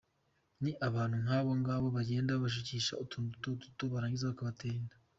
Ni abantu nk’abo ngabo bagenda babashukisha utuntu duto duto, barangiza bakabatera inda.